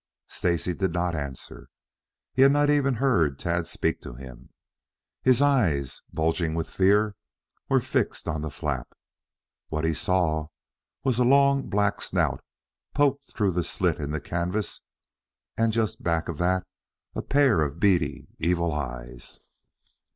Stacy did not answer. He had not even heard Tad speak to him. His eyes, bulging with fear, were fixed on the flap. What he saw was a long black snout poked through the slit in the canvas, and just back of that a pair of beady, evil eyes.